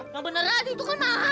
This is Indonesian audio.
yang beneran itu kan mahal